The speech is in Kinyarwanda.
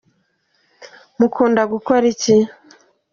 Mukunda gukora iki?